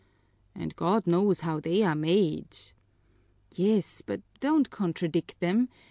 "And God knows how they are made!" "Yes, but don't contradict them.